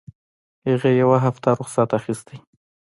هغې يوه هفته رخصت اخيستى.